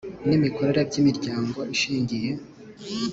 n imikorere by imiryango ishingiye